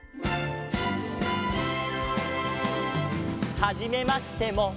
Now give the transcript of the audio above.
「はじめましても」